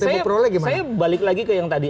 tempo peroleh gimana saya balik lagi ke yang tadi